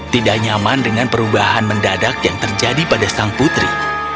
tidak nyaman dengan perubahan mendadak yang terjadi pada sang putri